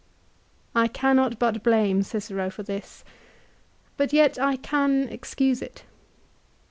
I cannot but blame Cicero for this ; but yet I can excuse it.